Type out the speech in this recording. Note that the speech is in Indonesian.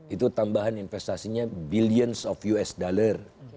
itu tambahan investasinya billiance of us dollar